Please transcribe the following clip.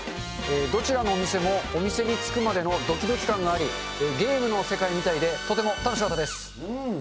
どちらのお店もお店に着くまでのどきどき感があり、ゲームの世界みたいでとても楽しかったです。